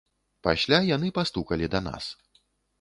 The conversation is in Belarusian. Пасля яны пастукалі да нас.